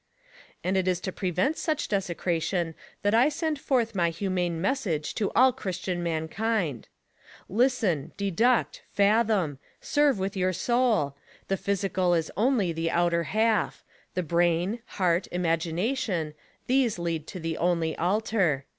And it is t^ preveiit such desecration that I send forth my humane message to all Christian mankind: "Listen, deduct, fathom; serve with your soul; the physical is only the outer half ; the brain, heart, imagination— these lead to the only altar.